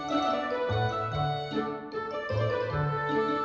balik ke insignificant ya